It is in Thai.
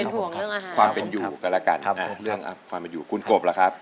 เป็นห่วงเรื่องอาหารครับครับผมครับคุณกบเหรอครับ